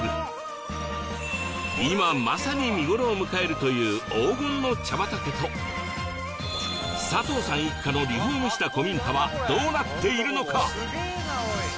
今まさに見頃を迎えるという黄金の茶畑と佐藤さん一家のリフォームした古民家はどうなっているのか？